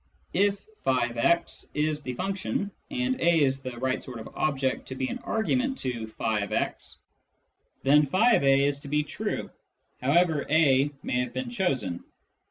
If " </>x " is the function, and a is the right sort of object to be an argument to " <j>x" then <j>a is to be true, however a may have been chosen.